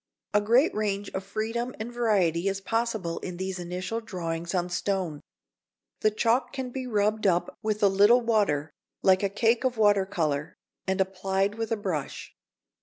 A great range of freedom and variety is possible in these initial drawings on stone. The chalk can be rubbed up with a little water, like a cake of water colour, and applied with a brush.